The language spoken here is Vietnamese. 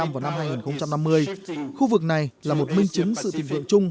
và năm hai nghìn năm mươi khu vực này là một minh chứng sự tình vượng chung